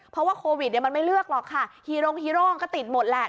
เพราะว่าโควิดมันไม่เลือกหรอกค่ะฮีโร่งฮีโร่มันก็ติดหมดแหละ